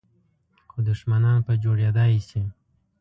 خو دښمنان په جوړېدای شي .